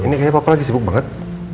ini kayaknya papa lagi sibuk banget